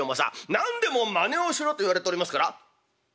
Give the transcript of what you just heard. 何でもまねをしろと言われておりますから。